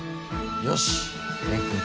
よし蓮くん